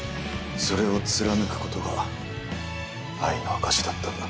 それを貫くことが愛の証しだったんだ。